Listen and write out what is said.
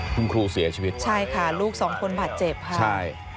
คุณครูเสียชีวิตใช่ค่ะลูกสองคนบาดเจ็บค่ะใช่